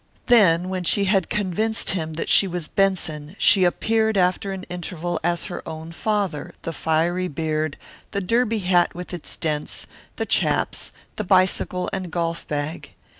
Then, when she had convinced him that she was Benson, she appeared after an interval as her own father; the fiery beard, the derby hat with its dents, the chaps, the bicycle, and golf bag.